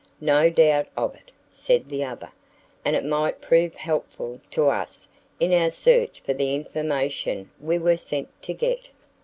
"No doubt of it," said the other; "and it might prove helpful to us in our search for the information we were sent to get."